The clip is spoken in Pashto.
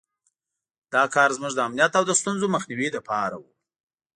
دا کار زموږ د امنیت او د ستونزو مخنیوي لپاره وو.